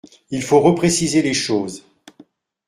Il faut repréciser les choses.